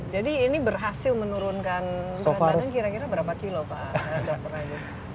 jadi ini berhasil menurunkan berat badan kira kira berapa kilo pak dokter agus